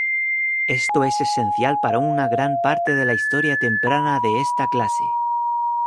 Esto es esencial para una gran parte de la historia temprana de esta clase.